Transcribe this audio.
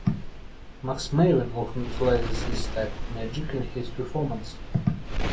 Max Maven often utilizes this type of magic in his performance.